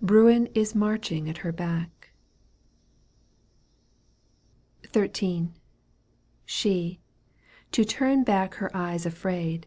Bruin is marching at her back ! XIIL She, to turn back her eyes afraid.